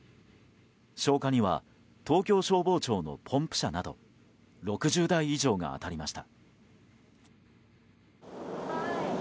消火には東京消防庁のポンプ車など６０台以上が当たりました。